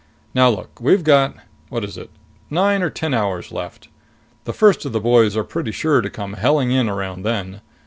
Now look, we've got what is it? nine or ten hours left. The first of the boys are pretty sure to come helling in around then.